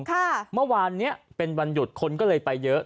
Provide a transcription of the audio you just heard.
เมื่อวานเนี้ยเป็นวันหยุดคนก็เลยไปเยอะ